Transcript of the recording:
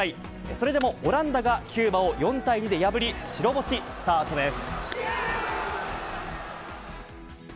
それでも、オランダがキューバを４対２で破り、白星スタートです。